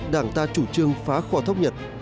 đảng ta chủ trương phá kho thốc nhật